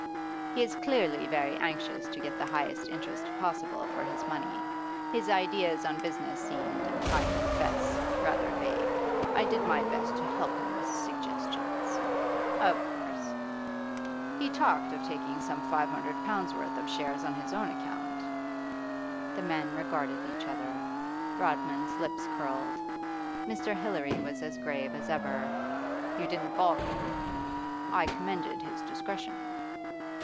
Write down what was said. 'He is clearly very anxious to get the highest interest possible for his money. His ideas on business seemed, I confess, rather vague. I did my best to help him with suggestions.' 'Of course.' 'He talked of taking some five hundred pounds' worth of shares on his own account.' The men regarded each other. Rodman's lips curled; Mr. Hilary was as grave as ever. 'You didn't balk him?' 'I commended his discretion.